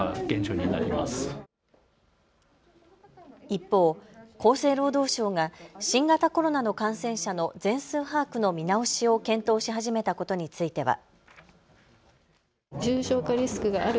一方、厚生労働省が新型コロナの感染者の全数把握の見直しを検討し始めたことについては。